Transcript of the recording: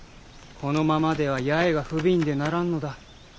このままでは八重が不憫でならんのだ。